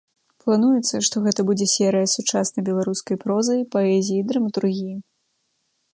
Плануецца, што гэта будзе серыя сучаснай беларускай прозы, паэзіі, драматургіі.